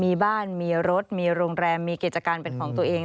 มีบ้านมีรถมีโรงแรมมีกิจการเป็นของตัวเอง